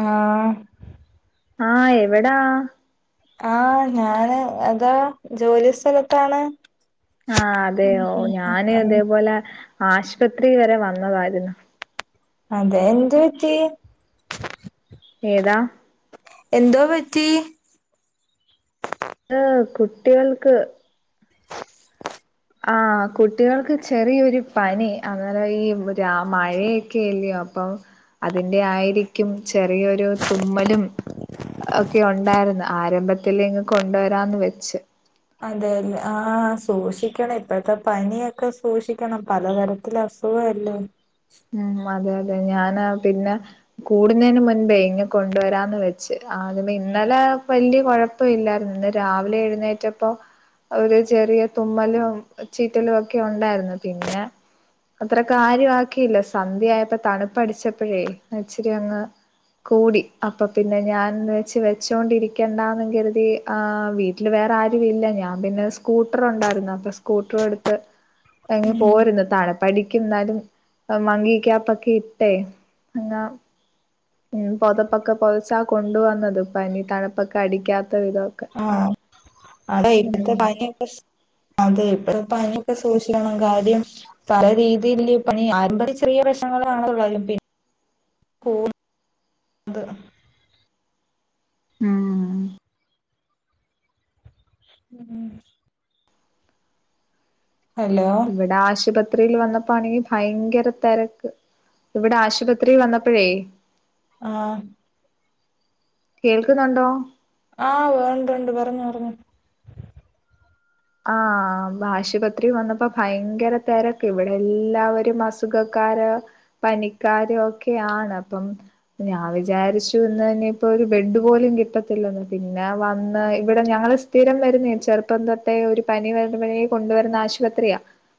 ആ ആ എവെടാ ആ ഞാന് അതാ ജോലി സ്ഥലത്താണ് ആ ഉം അതെയോ ഉം ഉം ഞാന് ആഹ് ഇതേപോലെ ആശുപത്രി വരെ വന്നതായിരുന്നു. അതെ എന്ത് പറ്റി ഏതാ എന്തോ പറ്റി അത് കുട്ടികൾക്ക് ആ കുട്ടികൾക്ക് ചെറിയൊരു പനി അങ്ങനെ ഈ രാ മഴയൊക്കെയല്ലയോ. അപ്പൊ അതിന്റെ ആയിരിക്കും ചെറിയൊരു തുമ്മലും ക്കെ ഉണ്ടായിരുന്നു ആരംഭത്തിലെ ഇങ്ങ് കൊണ്ടുവരാന്ന് വെച്ച്. അതെ ലെ ആ സൂക്ഷിക്കണം ഇപ്പഴത്തെ പനിയക്കെ സൂക്ഷിക്കണം പലതരത്തിലസു സുഖല്ലേ ഉം അതെ അതെ ഞാൻ ആ പിന്നെ കൂടുന്നതിന് മുൻപേ ഇങ്ങ് കൊണ്ടുവരാന്ന് വെച്ച് ആദ്യമേ ഇന്നലെ വല് വലിയ കുഴപ്പ ഇല്ലായിരുന്നു ഇന്ന് രാവിലെ എഴുന്നേറ്റപ്പ ഒരു ചെറിയ തുമ്മലും ചീറ്റലും ഒക്കെ ഉണ്ടായിരുന്നു പിന്നെ അത്ര കാര്യ ആക്കിയില്ല സന്ധ്യയപ്പോ തണുപ്പ്അടിച്ചപ്പോഴേ അച്ചിരി അങ്ങ് കൂടി അപ്പൊ പിന്നെ ഞാൻ വെച്ച് വെച്ചോണ്ടിരിക്കണ്ടാന്ന് കരുതി ആ വീട്ടില് വെ വേറെ ആരും ഇല്ല ഞാൻ പിന്നെ സ്കൂട്ടർ ഉണ്ടായിരുന്നു അപ്പൊ സ്കൂട്ടർ എടുത്ത് ഇങ്ങ് പോരുന്ന് തണുപ്പണിക്ക് എന്നാലും മങ്കി ക്യാപ്പക്കെ ഇട്ടേ അങ്ങാ - - ഉം പൊതപ്പൊക്കെ പൊതച്ചാ കൊണ്ടുവന്നത് പനി തണുപ്പൊക്കെ അടിക്കാത് ആ അതെ ഇപ്പത്തെ ഉം പനിയക്കെ ശ് അതെ ഇപ്പ് പനിയൊക്കെ സൂക്ഷിക്കണം കാര്യം പല രീതിയില്ലി പനി ആരംഭത്തി ചെറിയ ലക്ഷണങ്ങളെ കാണത്തൊള്ളാരി [inaudible] ഉം ഉം ഹലോ ഇവിടെ ആശുപത് ആശുപത്രിൽ വന്നപ്പോണെങ്കി ഭയങ്കര തിരക്ക് ഇവിടെ ആശുപത്രിൽ വന്നപ്പോഴേ ആഹ് കേൾക്കുന്നുണ്ടോ ആഹ് വേണ്ട് ഉണ്ട് പറഞ്ഞോ പറഞ്ഞോ ആഹ് ആശുപത്രി വന്നപ്പോ ഭയങ്കര തിരക്ക് ഇവിടെ എല്ലാവരും അസുഖക്ക ക്കാര് പനിക്കാരു ഒക്കെയാണ് അപ്പം ഞാൻ വിചാരിച്ചുന്ന് നിപ്പോ ഒരു ബെഡ് പോലും കിട്ടത്തില്ലന്ന് പിന്നെ വന്ന് ഇവിടെ ഞങ്ങള് സ്ഥിരം വരുന്നെ അ ചെറുപ്പം തൊ ട്ടേ ഒരു പനി വരുമ്പഴേ കൊണ്ടുവരുന്ന ആശുപത്രിയാ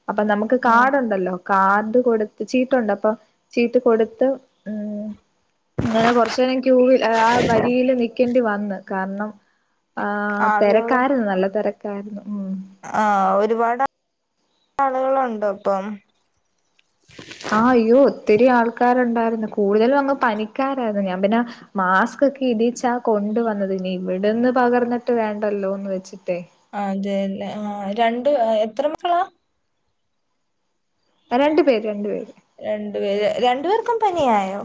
അപ്പൊ നമുക്ക് ആഹ് കാർഡുണ്ടല്ലോ കാർഡ് കൊടുത്ത് ചീട്ടുണ്ട് അപ്പൊ ചീട്ട് കൊടുത്ത് ങ് അങ്ങനെ കൊറച്ച്നേരം ക്യൂവില് ആ വരിയില് നിക്കേണ്ടി വന്നു കാരണം ആ് തിരക്കായിരുന്നു നല്ല തിരക്കായിരുന്നു മ് ആ ഒരുപാട് ആളുകളുണ്ടോ ഇപ്പം. ആ അയ്യോ ഒത്തിരി ആൾക്കാരുണ്ടായിരുന്നു കൂടുതലും അങ്ങ് പനിക്കാരായിരുന്നു ഞാൻ പിന്നെ മാസ് - - ക്കൊക്കെ ഇടിച്ചാ കൊണ്ട് വന്നത് ഇനി ഇവിടെന്ന് പകർന്നിട്ട് വേണ്ടല്ലോ എന്ന് വെച്ചിട്ടേ ആ അതെല്ല ആ രണ്ട് എത്ര മക്കളാ രണ്ടു പേര് രണ്ടു പേര് രണ്ടു പേര് രണ്ട് പേർക്കും പനിയായോ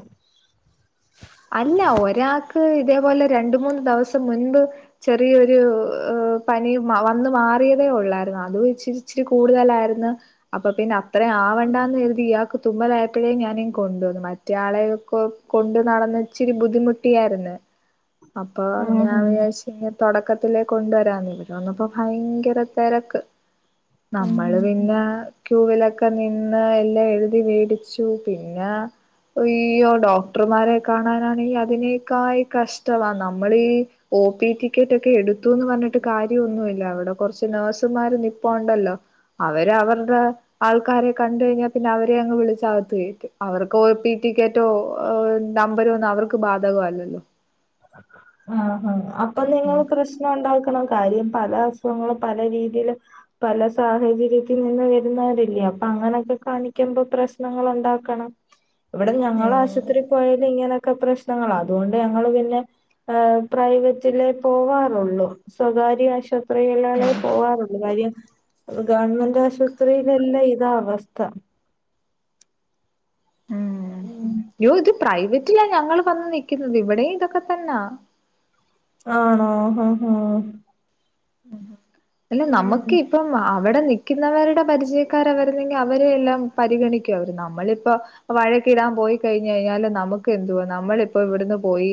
അല്ല ഒരാൾക്ക് ഇതേപോലെ രണ്ട് മൂന്ന് ദിവസം മുൻപ് ചെറിയൊരു പ്പം പനി മ വന്ന് മാറിയതേ ഒള്ളായിരുന്നു. അതും ഇച്ചിച്ചിരി കൂടുതലായിരുന്നു അപ്പൊ പിന്നെ അപ് അത്രയും ആവണ്ടാ എന്ന് കരുതി ഇയാൾക്ക് തുമ്മലായപ്പോഴേ ഞാനിങ്ങ് കൊണ്ടുവന്നു മറ്റുയാളെ യെക്യൊക്കെ കൊണ്ട് നടന്ന് ഇച്ചിരി ബുദ്ധിമുട്ടിയായിരുന്നു അപ്പൊ ആഹ് ഞാൻ ഉം വിചാരിചിങ്ങനെ തുടക്കത്തിലേ കൊണ്ടുവരാന്ന് ഇവിടെ വന്നപ്പോ ഭയങ്കര തിരക്ക് ഉം നമ്മള് പിന്നെ ക്യൂവിലൊക്കെ നിന്ന് എല്ലാം എഴുതി വേടിച്ചു പിന്നെ അയ്യോ ഡോക്ടർമാരെ കാണാനാണെങ്കിഅതിനകായും കഷ്ടവാനമ്മൾ ഈ ഒ പി ടിക്കറ്റ് ഒക്കെ എടുത്തുന്ന് പറ ന്നിട്ട് കാര്യംന്നുമല്ല അവിടെ കുറച്ച് നേഴ്സുമാര്നിപ്പഉണ്ടല്ലോ അവര് അവരുടെ ആൾക്കാരെ കണ്ട കഴിഞ്ഞാൽ പിന്നെ അവരെ അങ്ങ് വിളിച്ചകത്ത് കേറ്റുംഅവർക്ക് ഒ പി ടി ടിക്കറ്റോ നമ്പരോന്ന അവർക്ക് ബാധകംല്ലല്ലോ ആ ഹ അപ്പൊ നിങ്ങൾ പ്രശ്നം ഉണ്ടാക്കണം കാര്യം പല അസുഖങ്ങളും പല രീതിൽ പല സാഹചര്യത്തിൽ നിന്ന് വരുന്നവല്ലേ അപ്പ അങ്ങനൊക്കെ കാണിക്കുമ്പോ പ്രശ്നങ്ങ ഉണ്ടാക്കണം ഇവിടെ ഞങ്ങളൾ ഉം ആശുപത്രിയിൽ പോയല് ഇങ്ങനെയൊക്കെ പ്രശ്നങ്ങള അതുകൊണ്ട് ഞങ്ങള് പിന്നെ പ്രൈവറ്റിലേ പോവാറുള്ളൂ സ്വകാര്യ ആശുപത്രി കളിലെ പോകാറുുള്ളൂ കാര്യം ഗവൺമെന്റ് ആശുപത്രിയിലല്ല ഇതാ അവസ്ഥ ഉം പ്രൈവറ്റില ഞങ്ങൾ വന്ന് നിക്കുന്നത് ഇവിടെയും ഇതൊക്കെ തന്നാ ആണോ ആഹ ഹഹ ഉ അല്ല നമുക്ക് ഇപ്പ അവിടെ നൽക്കുന്നവരുടെ പരിചയക്കർ വരുന്നെങ്കിൽ അവരെ എല്ലാം പരിഗണിക്കും അവ നമ്മളിപ്പോ വഴ ക്ക്ഇടാൻ പോയി കഴിഞ്ഞ കഴിഞ്ഞാൽ നമുക്ക് എന്തുവാ നമ്മള ഇപ്പോ ഇവിടുന്ന് പോയി്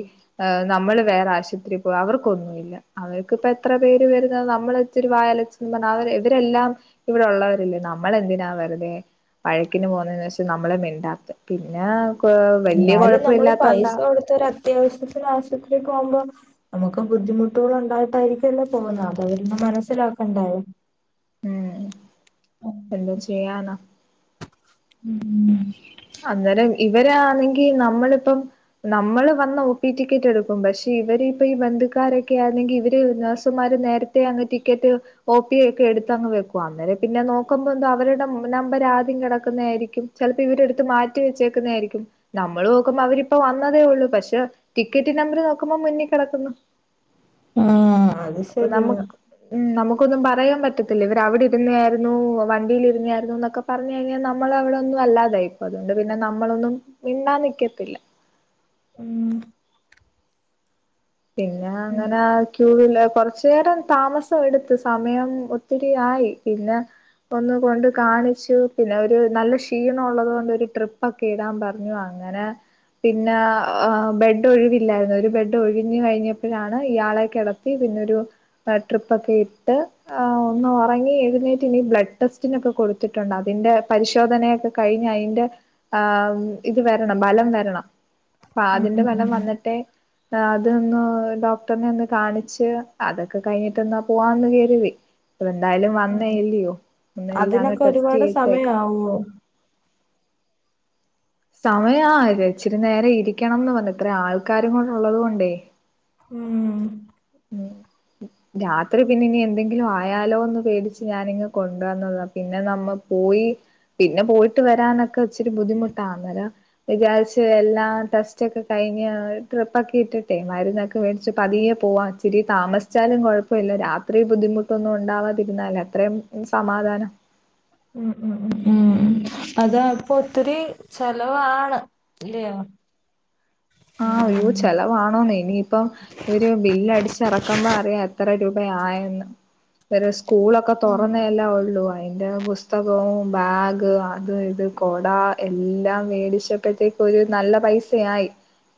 നമ്മള് വേറെ ആശു പോ അവർക്കൊന്നുമ ഇല്ല അവർക്ക ഇപ്പ എത്ര പേര് വരുന്നത് നമ്മളച്ചിരി വായൽച്ചന്ന് പറഞ്ഞ ഇവരെല്ലാം ഇവിടെള്ളവരില്ലേ നമ്മളെന്തിനാ വെുതെ വഴക്കിന് പോകുന്നെന്ന് വെച്ച നമ്മളെ മിണ്ടാത്ത പിന്നെ വല്യ എന്നാലും കൊഴപ്പം നമ്മള് പൈസ ഇല്ലാത്തോണ്ടാ കൊടുത്ത ഒരു അത്യാവശ്യത്തിന് ആശുത്രി പോകുമ്പോ നമുക്ക് ബുദ്ധിമുട്ടുകൾ ഉണ്ടായിട്ടായിരിക്കുംല്ലേ പോന്നത് അത അവര് മനസ്സിലാക്കണ്ടായും ഉം എന്തൊ ചെയ്യാനാ ഉം അന്നേരം ഇവരാന്നെങ്കി നമ്മളിപ്പം നമ്മള് വന്ന ഒ പി ടിക്കറ്റ് എടുക്കും പക്ഷെ ഇവര്പ്പൊ ഈ ബന്ധുക്കാരൊക്കെ ആണെങ്കി ഇവര് നേഴ്സുമാർ നേരത്തെ അങ്ങ് ടിക്കറ്റ് ഒ പി ഒക്കെ എടുത്തങ്ങ് വെക്കും അന്നേരം പിന്നെ നോക്കുമ്പന്താ അവരുടെമുന്നേ അവരാദ്യം കെടക്കുന്നയാരിക്കും ചിലപ്പോ ഇവരെടു ടുത്ത്മാറ്റിവെച്ചേക്കുന്നതരിക്കും നമ്മൾ നോക്കുമ്പോ അവരിപ്പ വന്നതേ ഉള്ളൂ പക്ഷെ ടിക്കറ്റ് നമ്പർ നോക്കുമ്പോ മുന്നിക്കിടക്കുന്നു ആഹ അത് ശരിയാ നമക്കൊന്നും പറയാൻ പറ്റത്തില്ല ഇവര വിടിരുന്നയാരുന്നു വണ്ടീലിരുന്നയാരുന്നു എന്നൊക്കെ പറഞ്ഞ കഴിഞ്ഞാൽ നമ്മള അവിടെന്നും ല്ലാതായി ഇപ്പൊ അതുകൊണ്ട് പിന്നെ നമ്മളൊന്നും മിണ്ടാ നിക്കത്തില്ല ഉം പിന്നെ ഉം അങ്ങനെ ക്യൂവില് കൊറച്ചേരം താമസം എടുത്ത് സമയം ഒത്തിരി ആയി പിന്നെ ഒന്ന് കൊണ്ട് കാണിച്ചു പിന്നെ ഒരു നല്ല ക്ഷീണം ഉള്ളത് കൊണ്ട് ഒരു ട്രിപ്പൊക്കെ ഇടാൻ പറഞ്ഞു അങ്ങനെ പിന്ന ബെഡ് ഒഴിവില്ലായിരുന്നു ഒരു ബെഡ് ഒഴി ഞ്ഞ്കഴിഞ്ഞപ്പോഴാണ് ഇയാളെ കിടത്തി പിന്നൊരു ട്രിപ്പ് ഒക്കെ ഇട്ട് ഒന്ന് ഒറങ്ങി എഴുന്നേറ്റ് ഇനി ബ്ലഡ് ടെസ്റ്റിനൊക്കെ കൊടുത്തിട്ടുണ്ട് അതി തിന്റെ പരിശോധനയൊക്കെ കഴിഞ്ഞ് അയിന്റ ആ ഇത് വരണം ഫലം വരണം അ ഉം അതിന്റെ ഉം ഫലം ഉം വന്നിട്ടേ ആ ഡോക്ടറിനെ ഒന്ന് കാണിച്ച് അതൊക്കെ കഴിഞ്ഞിട്ട്ന്നാ പോവാന്ന് കരുതി അപ്പ എന്തായാലും ഉം വന്നേല്ലയോ ഒന്ന് എല്ലാം അങ്ങ് അതിനൊക്കെ ടെസ്റ്റ് ഒരുപാട് ചെയ്ച്ചേക്കാം സമയാവോ? സമയ ആ ഇച്ചിരി നേര ഇരിക്കണംന്ന് പറഞ്ഞ ഇത്ര ആൾക്കാരും കൂടെള്ളത് കൊണ്ടേ ഉം ഉം രാത്രി പിന്ന ഇനി എന്തെങ്കിലും ആയാലോന്ന് പേടിച്ച് ഞാനിങ്ങ് കൊണ്ടുവന്നതാണ് പിന്നെ നമ്മ പോയി പിന്നെ പോയിട്ട് വരാനൊക്കെ ഒച്ചിരി ബുദ്ധിമുട്ടാന്നേരം വിചാരിച് എല്ലാം ടെസ്റ്റ ഒക്കെ കഴിഞ്ഞ് ഞ്ഞ്ട്രിപ്പ്ക്കെ ഇട്ടിട്ടെ മരുന്നൊക്കെ മേടിച്ച പതിയെ പോവാ ചിരി താമസിച്ചാലും കുഴപ്പ ഇില്ല രാത്രി ബുദ്ധിമുട്ടൊന്നും ഉണ്ടാവാതിരുന്നാല് അത്രയും സമാധാനം ഉം ഉം ഉ ഉം ഉ അതാ ഇപ്പൊ ഒത്തിരി ചെലവാണ് ഇല്ലയോ ആ അയ്യൂ ഉം ചെലവാണോന്ന് ഇനിയിപ്പ ഇവര് ബില്ലടിച്ചിറക്കുമ്പോ അറിയാ എത്ര രൂപയായെന്ന് ഇവരെ സ്കൂളൊക്കെ ഉം തുറന്നേല്ലേ ഒള്ളു അയിന്റെ പുസ്തകവും ബാഗ് അത് ഇത് കൊട എല്ലാം മേടിച്ചപ്പെത്തെ ഒരു നല്ല പൈസയായി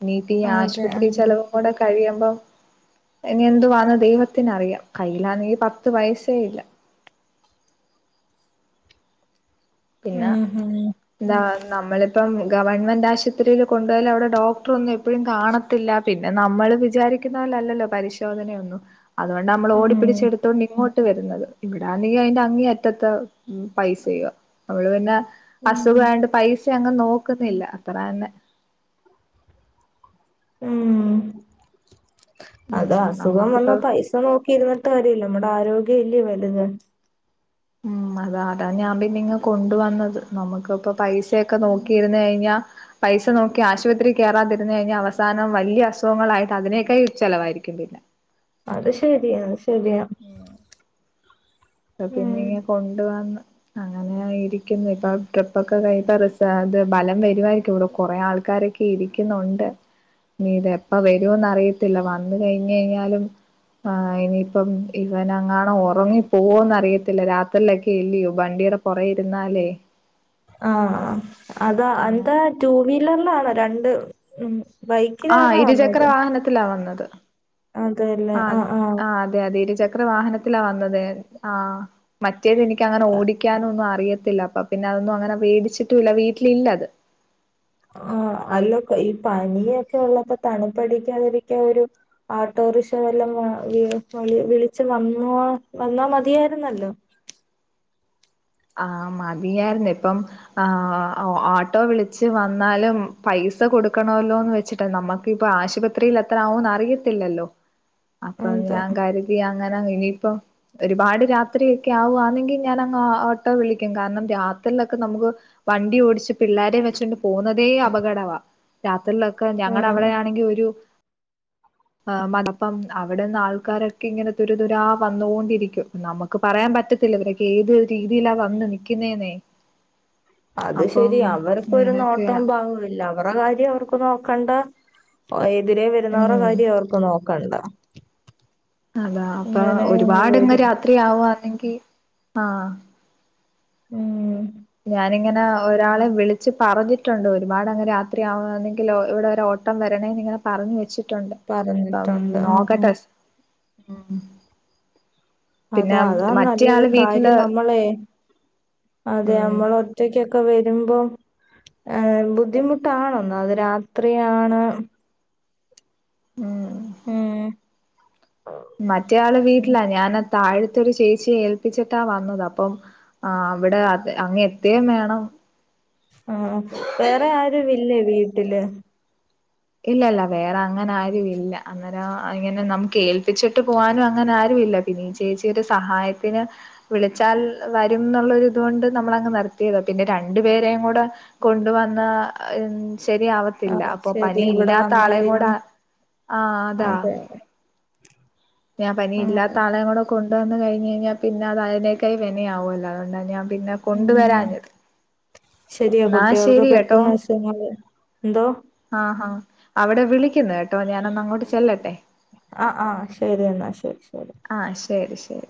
ഇനിട്ടി ഈ അതെ ആശുപത്രി ആഹ് ചെലവും കൂടെ കഴിയു മ്പം ഇനി എന്തുവാന്ന് ദൈവത്തിനറിയാം കയ്യിലാന്നെ പത്ത് പൈസേല്ല പിന്നെ ഉം ഉം ന്താ നമ്മളിപ്പം ഗവൺമെന്റ് ആശുത്രില് കൊണ്ടു യാല് അവിടെ ഡോക്ടറൊന്നും എപ്പോഴും കാണത്തില്ല പിന്നെ നമ്മൾ വിചാരിക്കുന്ന അ ലല്ലല്ലോ പരിശോധനയൊന്നും അതുണ്ട് നമ്മള് ഉം ഓടിപിടിച്ചെടുത്തോണ്ട് ഇങ്ങോ ട്ട് വര്ന്നത് ഇവിടാന്നെ അയിന്റെ അങ്ങി അറ്റത്ത് പൈസയോ അവള് പിന്നെ ഉം അസുഖായൊണ്ട് പൈസ അങ്ങ് നോ ക്കുന്നില്ല അത്രന്നെ ഉം അത് ഉം അസുഖം വന്ന നമ്മക്കിപ്പോ പൈസ നോക്കി ഇരിന്നിട്ട് കാര്യല്ല നമ്മടെ ആരോഗ്യം ഇല്യ വ തന്നെ ഉം അതാ അതാ ഞാൻ പിന്നെ ഇങ്ങ് കൊണ്ടുവന്നത് നമുക്ക്‌പ്പൊ പൈസയൊക്കെ നോക്കിയിര്ന്ന് കഴിഞ്ഞാ പൈസ നോക്കി ആശുപത്രിൽ കയറാതിര്ന്ന് കഴിഞ്ഞാ അവസാനം വലിയ അസുഖങ്ങളായിട്ട് അതിനേക്ക ചെലവായിരിക്കും ഇല്ല അത് ശെരിയ ശരിയാ ഉം പിന്നെ ഇങ്ങെ കൊണ്ടുവന്ന് അങ്ങനായിരിക്കുന്നു ഇപ്പൊ ട്രിപ്പൊക്കെ കഴി [unintelligible] ഇപ്പൊ [unintelligible] ഭലം വരു ആയിരിക്കും ഇവ്ടെ കൊറെ ആൾക്കാ കാരൊക്കെ ഇരിക്കുന്നുണ്ട് നീ ഇത എപ്പ വര്ന്ന് അറിയത്തില്ല വന്ന് കഴിഞ്ഞഴിഞ്ഞാലും ആ ഇനിയിപ്പം ഇവൻ അങ്ങാണ ഒ റങ്ങി പോവോന്നറിയത്തില്ല രാത്രിലക്കെ എ ല്ലയോ ബണ്ടിയടെ പുറയിരുന്നാലേ ആ ആ അതാ എന്താ ടു വീലറിലാണോ രണ്ട് മ് ബൈക്കിലാണോ വന്നത് അതെല്ലേ ആ ആഹ് ആഹ് ആ അതെ അതെ ഇരു ച ക്ര വാഹനത്തിലാ വന്നത് ആ മറ്റേത് എനിക്കങ്ങനെ ഓടിക്കാന ഒന്നും അറിയ ത്തില്ല അപ്പ പിന്നെ അതൊന്നും അങ്ങനെ വേടിച്ചിട്ടുല്ല വീട്ടിലില്ലത് ആ അല്ല ഈ പനിയൊക്കെ ഉള്ളപ്പോ തണുപ്പടിക്കാതിരിക്ക ഒരു ആട്ടോ റിശവല്ലോം വ വി വിളിച്ചു വന്നോ വന്നാ മതിയായിരുന്നല്ലോ ആ മതിയായിരുന്നു ഇപ്പം ആ ഓട്ടോ വിളിച്ച് വന്നാലും പൈ സ കൊടുക്കണല്ലോ എന്ന് വെച്ചിട്ട നമ്മക്ക് ഇപ്പൊ ആശുപത്രിയിൽ എത്ര ആവൊന്ന് അറിയത്തില്ലല്ലോ അപ്പൊ അതെ ഞാൻ കരുതി അങ്ങനെ ഇനിയിപ്പ ഒരുപാട് രാത്രിയൊക്കെ ആവു ന്നെങ്കിൽ ഞാനങ്ങ് ആ ഓ ട്ടോ വിളിക്കും കാരണം രാത്രിയിലൊക്കെ നമുക്ക് വണ്ടി ഓടിച്ച് പിള്ളോരെ വെച്ചോണ്ട് പോവുന്നതേ അപകടവാ രാത്രിയിലൊക്കെ ഞങ്ങള ഉം അവിടെ ആണെങ്കിൽ ഒരു ആ മടപ്പം അവിടെന്ന് ആൾക്കാരൊക്കെ ഇങ്ങനെ തുരു തുരാ വന്നോണ്ടിരിക്കും നമുക്ക് പറയാൻ പറ്റ റ്റത്തില്ല ഇവരക്ക ഏത് രീതിയിലാ വന്ന് നിക്കുന്നേന്നെ അത് ശരി അവർക്ക് ഒരു നോട്ടം പാവോല്ല അവറ കാര്യം അവർക്ക് നോക്കണ്ട എതിരെ വരുന്നവരുടെ ഉം കാര്യ അവർക്ക് നോക്കണ്ട അതാ അപ്പൊ ഇങ്ങനെ അങ്ങ് ഒരുപാട്ങ്ങ് വരും രാത്രിയാവുണെങ്കി ആ ഉം ഞാനിങ്ങനെ ഒരാളെ വിളിച്ച് പറഞ്ഞിട്ടുണ്ട് ഒരുപാട് അങ്ങെ രാത്രിയാവെന്നെങ്കിൽ ഇവിടെരെ ഓട്ടം വരണന്ന് ഇങ്ങനെ പറഞ്ഞു വെച്ചിട്ടുണ്ട് മ് പറഞ്ഞിട്ടുണ്ട് ആഹ് നോക്കട്ടെ ഉ പിന്നെ അതാ അതാ നല്ലത് മറ്റയാള് വീട്ട് ല് കാര്യം നമ്മളെ അതെ നമ്മൾ ഒറ്റക്കൊക്കെ വ രുമ്പം ഏ ബുദ്ധിമുട്ടാണൊന്നാമത് രാത്രിയാണ് ഉം ഊമ് മറ്റേയാള് വീട്ടിലാ ഞാനത് താഴത്തൊരു ചേച്ചി ഏൽപ്പിച്ചിട്ടാ വന്നത് അപ്പം അവിടെ അങ്ങ് എത്തേം വേണം ആ വേറെ ആരുവില്ലേ വീട്ടില് ഇല്ലല്ല. വേറെ അങ്ങനാരുവില്ല. അന്നേരം ഇങ്ങനെ നമുക്ക് ഏൽപ്പിച്ചിട്ട് പോകാനും അങ്ങനെ ആരും ഇല്ല. പിന്നെ ഈ ചേച്ചി ഒരു സഹായത്തിന് വിളിച്ചാൽ വരും ന്നുള്ള ഒര് ഇതോണ്ട് നമ്മളങ് നിർ യതാ. പിന്നെ രണ്ടുപേരെയും കൂടെ കൊണ്ടുവന്ന ശരിയാവത്തില്ല ആഹ് അപ്പൊ ശരി ഇനി ഇവിടെ ഇല്ലാത്ത ആളെയും കൂടെ വന്നാലിനി ആ അതാ അതെ ഞാൻ പനി ഇല്ലാത്ത ആഹ് ആളെം കൂടെ കൊ ണ്ട് വന്ന് കഴിഞ് കഴിഞ്ഞാൽ പിന്നെ അതിനേക്കായി വെനയാകുവല്ലൊ അതോണ്ടാ ഞാൻ പിന്നെ ഉം കൊണ്ടുവരാഞ്ഞത് ശരിയാ എന്നാ കുട്ടികൾക്ക് ശരി പെട്ടെന്ന് അസുഖങ്ങള് എന്തോ ആ ഹാ അവിടെ വിളിക്കുന്നു കേട്ടോ ഞാനൊന്ന് അങ്ങോട്ട് ചെല്ലട്ടെ ആ ആ ശരി എന്നാ ശരി ശരി ആഹ് ശരി ശരി